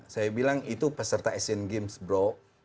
saya bilang itu peserta asian games bro